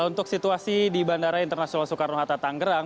untuk situasi di bandara internasional soekarno hatta tanggerang